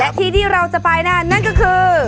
และทีที่เราจะไปนั่นก็คือ